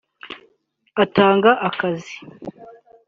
atanga akazi